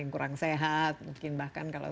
yang kurang sehat mungkin bahkan kalau